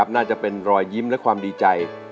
น่าจะเป็นรอยยิ้มและความดีใจ